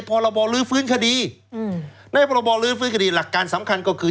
พรบลื้อฟื้นคดีอืมในพรบลื้อฟื้นคดีหลักการสำคัญก็คือ